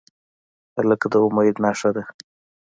هلک د امید نښه ده.